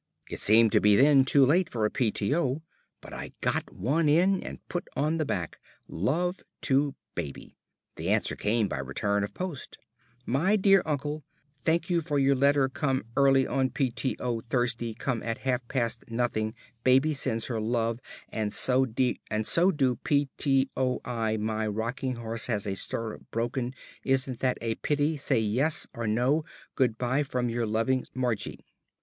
It seemed to be then too late for a "P.T.O.," but I got one in and put on the back, "Love to Baby." The answer came by return of post: "MY DEAR UNCLE thank you for your letter come erly on p t o Thursday come at half past nothing baby sends her love and so do p t o I my roking horse has a sirrup broken isnt that a pity say yes or no good bye from your loving MARGIE."